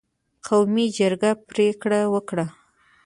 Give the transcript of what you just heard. قومي جرګې پرېکړه وکړه